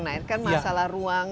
nah ini kan masalah ruang